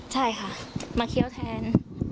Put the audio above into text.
ใช่ค่ะมาเคี้ยวแทน